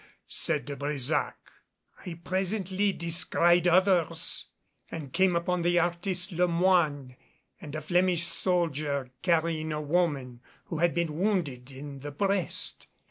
said De Brésac. "I presently descried others, and came upon the artist Le Moyne and a Flemish soldier carrying a woman who had been wounded in the breast.